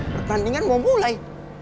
pertandingan mau mulai